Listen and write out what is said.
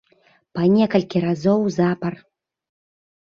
Па некалькі разоў запар.